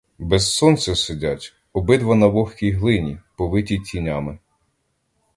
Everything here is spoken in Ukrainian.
Без сонця сидять, обидва на вогкій глині, повиті тінями.